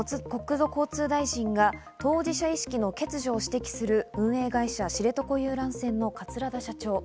こうした中、国土交通大臣が当事者意識の欠如を指摘する運営会社・知床遊覧船の桂田社長。